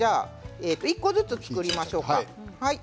１個ずつ作りましょうか。